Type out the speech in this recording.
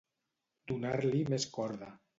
Donar-li més corda.